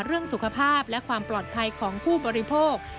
เรื่องสุขภาพและความปลอดภัยของผู้บริโภค